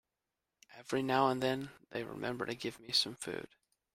Every now and then they remember to give me some food.